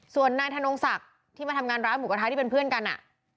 ส่วนนายธนงศักดิ์ที่มาทำงานร้านหมูกระทะที่เป็นเพื่อนกันอ่ะ